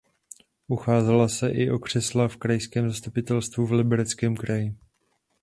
Ucházela se i o křesla v krajském zastupitelstvu v Libereckém kraji.